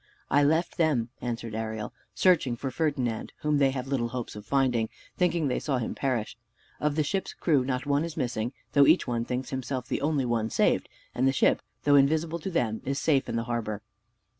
"I left them," answered Ariel, "searching for Ferdinand, whom, they have little hopes of finding, thinking they saw him perish. Of the ship's crew not one is missing; though each one thinks himself the only one saved: and the ship, though invisible to them, is safe in the harbor."